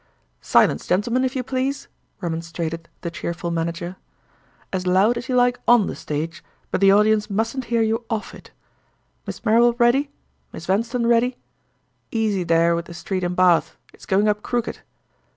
"Silence, gentlemen, if you please," remonstrated the cheerful manager. "As loud as you like on the stage, but the audience mustn't hear you off it. Miss Marrable ready? Miss Vanstone ready? Easy there with the 'Street in Bath'; it's going up crooked!